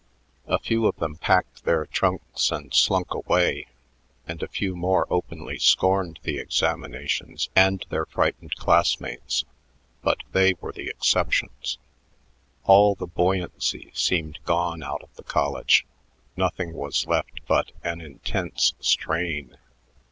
A few of them packed their trunks and slunk away, and a few more openly scorned the examinations and their frightened classmates; but they were the exceptions. All the buoyancy seemed gone out of the college; nothing was left but an intense strain.